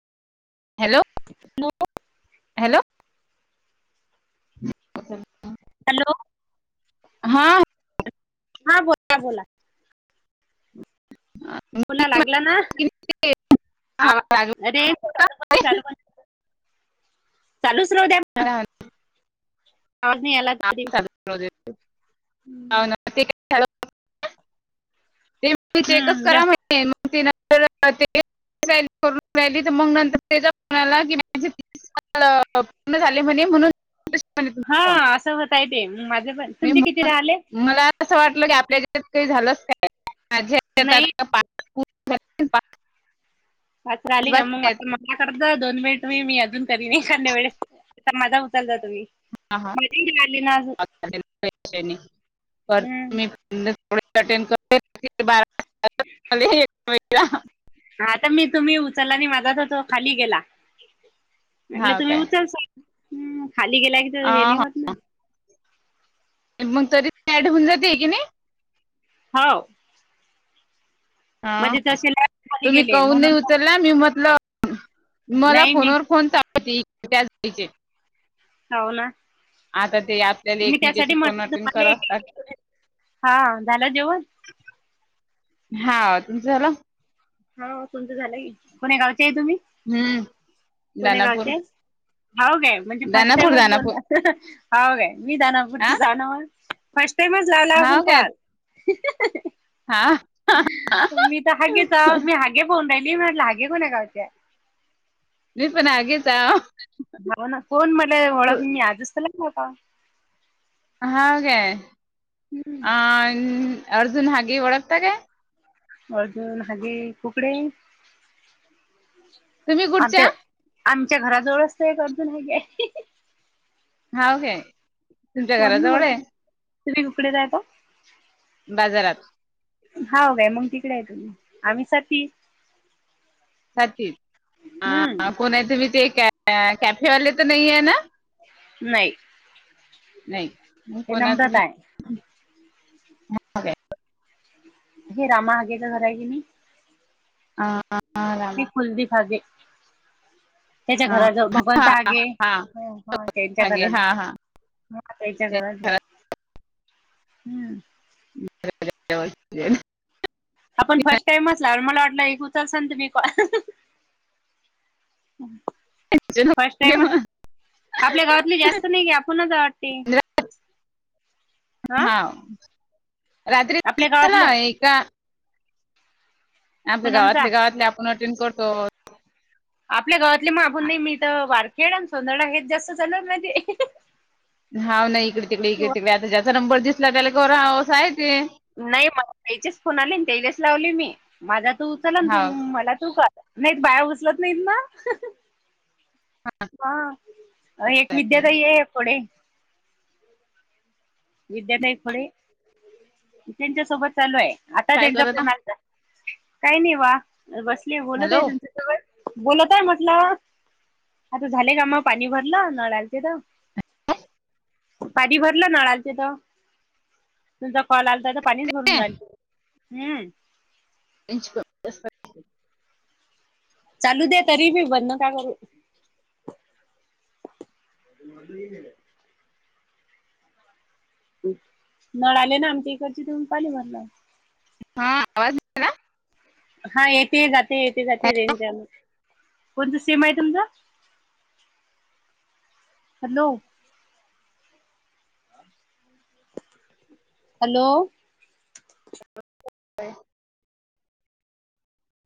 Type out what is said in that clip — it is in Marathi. Hello hello. [unintelligible] हॅलो हा. हा बोला बोला बोला लागला ना. [unintelligible] चालूच राहू दे मगं. आवाज नाही याला. [unintelligible] [unintelligible] [unintelligible] [unintelligible] [unintelligible] ज- झाले म्हणे म्हणून म्हणे हा तुमचा फोन असं होतंय ते, माझे पण मी तुमचे किती राहिले. मला असं वाटलं की आपल्या हेज्यात काही झालस काय. नाही [unintelligible] झाले, पाच वाचरा आली का बाकी मग आहेत मला कत दोन मिनिट म मी अजून कधी नाही खांद्या वेळेस. आता माझा उचलता तुम्ही. माझी राहिली ना अजून हम्म [unintelligible] [unintelligible] हा तर मी तुम्ही उचला आणि माझा तर तो खाली गेला म्हटलं तुम्ही काय अं, उचल सा. खाली गेला की तर हे नाही हा. होत न. मंग तरी ॲड होऊन जाते की आहे नाही? हाव. हा तसे लाईट खाली तुम्ही गेले कहून नाही म्हणून उचलला मी म्हटलं मला नाही मी फोनवर फोन [unintelligible] चे. हाव ना. आता ते आपल्याला मी त्यासाठी एकमेकांचे फोन म्हटलं अटेंड तुम्हाला करावे एक लागतात. हा झालं जेवण? हा तुमचं झाला? कोण्या गावचे आहे तुम्ही हम्म कोण्या दानापूर गावचे आहे. हांव काय, म्हणजे फर्स्ट दानापूर टाइमच दानापूर बोलला. हाव काय मी हा दानापूरची दानव मग फर्स्ट टाइमच लावला हा आपण काय कॉल. [unintelligible] हा. मी तर हागेचा मी हागे बोलून राहिली मी म्हटलं हागे कोण्या गावच्या. मी पण हागेच हांव. हाव ना कोण मले ओळख मी आजच [unintelligible] होता. हाव काय? अं अर्जुन हागे ओळखता काय? अर्जून हगे कुकडे तुम्ही कुठच्या आमच्या आमच्या घराजवळच ते अर्जुन हगे आहे. हाव काय? [unintelligible] तुमच्या घराजवळ आहे तुम्ही उकडे रायता. बाजारात हाव काय मंग तिकडे आहे तुम्ही आम्ही सती साती हम्म अ कोण आहे तुम्ही ते कॅ कॅफेवाले तर नाही आहे ना. नाही. नाही मग ते कोणा तुम्ही नम्रता आहे हे रामा हगेचं घर आहे की नी? आं [unintelligible] ते कुलदीप हगे. त्याच्या हा घराजवळ, भगवंत हागे हा त्यांच्या मागे घराजवळ. हा हा [unintelligible] त्यांच्या घरात हम्म. [unintelligible] आपण फर्स्ट टाईमच लावल मला वाटल एक उचलसन तुम्ही कॉल. फर्स्ट नको घेऊ. टाइमच आपल्या गावातले जास्त नाही की आपणच हाय वाटते. रा- हा रात्री आपल्या गावातल्या [unintelligible] आमच्या पूनमचा गावातले गावातले आपण अटेंन करतो. आपल्या गावातले मा म आपुन नाही मी तर वारखेड आणि सोनर्ड हेच जास्त चालू आहेत माहितीय. हा ना इकडे तिकडे इकडे तिकडे. आता ज्याचा नंबर दिसला त्याला करावं असं आहे ते. नाही मला त्याचेस फोन आले त्यायलेस लावले मी माझा तू उचल ना तू हाव मला तू कर. नाहीत बाया उचलत नाहीत ना. हा एक विद्याताई आहे खुडे. विद्याताई खुडे त्यांच्या सोबत चालू आहे आता काय त्यांचा करत फोन आलता. काही नाही वा बसले बोलत आहे हॅलो तुमच्या सोबत बोलतय म्हटलं. आता झालेय कामं पाणी भरलं नळ आलते तर. पाणी भरलं नळा आलते तर. तुमचा कॉल आल आता पाणीच भरून राहिली, हम्म. त्यांच क चालू दे तरी बी बंद नका करू. नळा आले ना आमच्या इकडची त्योम पाणी भरला. हा आवाज हा येते जाते येते जाते रेंज [inaudible] कोणता सीम आहे तुमचा? हॅलो. हॅलो.